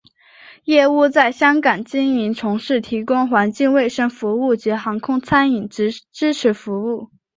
业务在香港经营从事提供环境卫生服务及航空餐饮支持服务。